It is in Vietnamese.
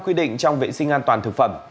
quy định trong vệ sinh an toàn thực phẩm